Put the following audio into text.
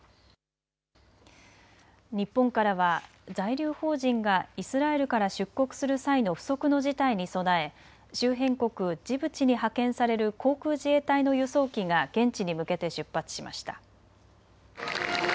日本からは在留邦人がイスラエルから出国する際の不測の事態に備え周辺国ジブチに派遣される航空自衛隊の輸送機が現地に向けて出発しました。